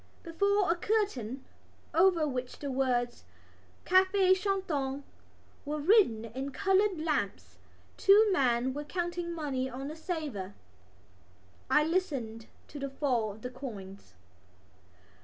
Before a curtain, over which the words Café Chantant were written in coloured lamps, two men were counting money on a salver. I listened to the fall of the coins.